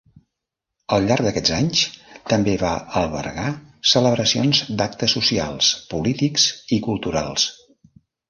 Al llarg d'aquests anys també va albergar celebracions d'actes socials, polítics i culturals.